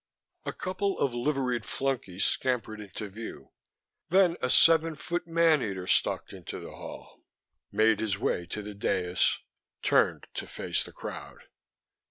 A couple of liveried flunkies scampered into view, then a seven foot man eater stalked into the hall, made his way to the dias, turned to face the crowd....